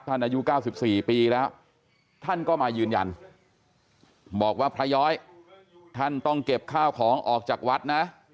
อายุ๙๔ปีแล้วท่านก็มายืนยันบอกว่าพระย้อยท่านต้องเก็บข้าวของออกจากวัดนะ